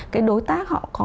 cái đối tác họ có